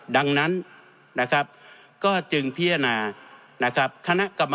ดังนั้นนะครับก็จึงพิจารณานะครับ